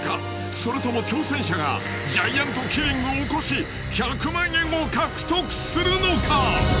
それとも挑戦者がジャイアントキリングを起こし１００万円を獲得するのか！？